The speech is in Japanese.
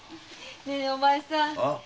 ねお前さん。